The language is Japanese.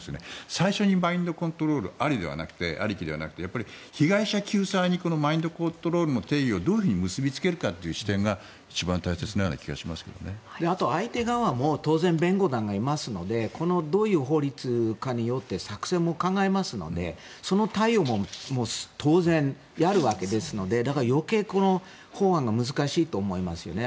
最初にマインドコントロールありきではなくて被害者救済にマインドコントロールの定義をどう結びつけるかという視点があとは、相手側も当然、弁護団がいますのでどういう法律かによって作戦も考えますのでその対応も当然やるわけですので余計、この法案は難しいと思いますよね。